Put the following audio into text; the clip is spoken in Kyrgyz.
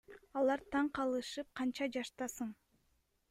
Алар таң калышып Канча жаштасың?